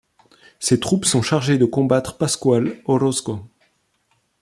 Ses troupes sont chargées de combattre Pascual Orozco.